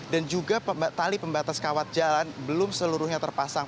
dan juga tali pembatas kawat jalan belum seluruhnya terpasang